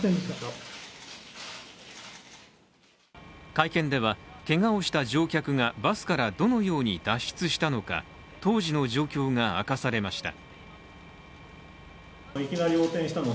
会見では、けがをした乗客がバスからのどのように脱出したのか、当時の状況が明かされました。